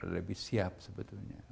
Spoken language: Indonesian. lebih siap sebetulnya